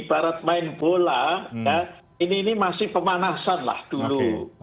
ibarat main bola ini masih pemanasan lah dulu